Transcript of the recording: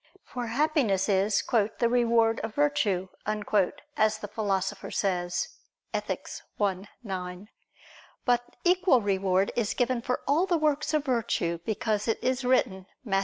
For Happiness is "the reward of virtue," as the Philosopher says (Ethic. i, 9). But equal reward is given for all the works of virtue; because it is written (Matt.